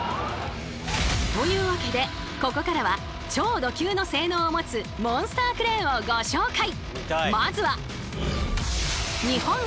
というわけでここからは超ド級の性能を持つモンスタークレーンをご紹介！